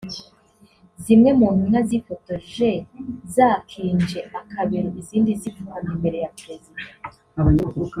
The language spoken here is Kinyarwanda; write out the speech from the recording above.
zimwe mu Ntumwa zifotoje zakinje akabero izindi zipfukamye imbere ya Perezida